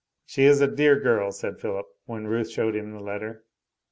"She is a dear girl," said Philip, when Ruth showed him the letter.